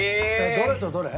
どれとどれ？